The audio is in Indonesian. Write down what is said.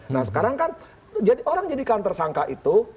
nah sekarang kan orang jadikan tersangka itu